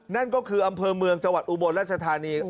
นั่นก็คืออำเภอเมืองจังหวัดอุบลราชธานี